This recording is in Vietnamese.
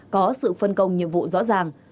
có sự phân công nhiệm vụ rõ ràng